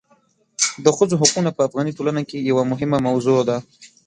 د ښځو حقونه په افغاني ټولنه کې یوه مهمه موضوع ده.